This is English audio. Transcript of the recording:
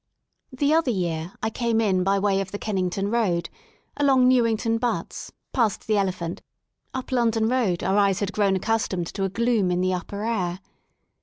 The other year I came in by way of the Kennington Road; along New ington Butts, past the Elephant, up London Road our eyes had grown accustomed to a gloom in the upper air.